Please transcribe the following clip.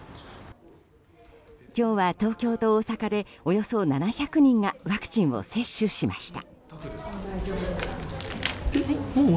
今日は東京と大阪でおよそ７００人がワクチンを接種しました。